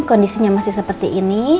kondisinya masih seperti ini